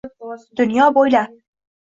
Dunyo bo’ylab